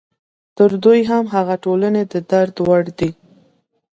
تر دوی هم هغه ټولنې د درد وړ دي.